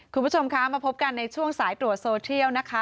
คุณผู้ชมคะมาพบกันในช่วงสายตรวจโซเทียลนะคะ